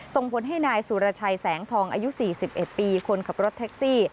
ส่งผลให้นายสุรชัยแสงทองอายุ๔๑ปีคนขับรถแท็กซี่